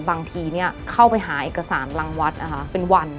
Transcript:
บางทีเข้าไปหาเอกสารรังวัดนะคะเป็นวัน